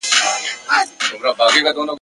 خره پرخوله لغته ورکړله محکمه !.